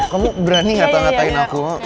kamu berani ngata ngatain aku